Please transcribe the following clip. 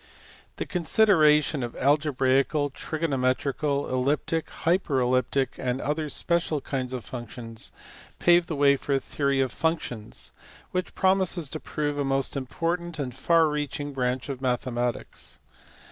The consideration of algebraical, trigonometrical, elliptic, hyperelliptic, and other special kinds of functions paved the way for a theory of functions, which promises to prove a most important and far reaching branch of mathematics.